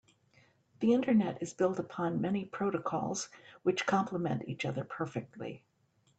The internet is built upon many protocols which compliment each other perfectly.